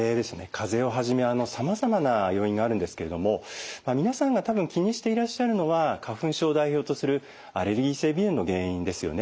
風邪をはじめさまざまな要因があるんですけれども皆さんが多分気にしていらっしゃるのは花粉症を代表とするアレルギー性鼻炎の原因ですよね。